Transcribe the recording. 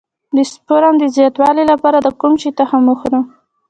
د سپرم د زیاتوالي لپاره د کوم شي تخم وخورم؟